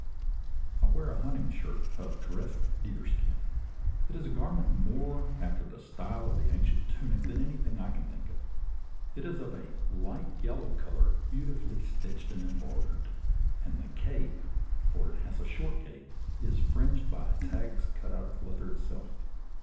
I wear a hunting shirt of dressed deerskin. It is a garment more after the style of an ancient tunic than anything I can think of. It is of a light yellow colour, beautifully stitched and embroidered; and the cape, for it has a short cape, is fringed by tags cut out of the leather itself.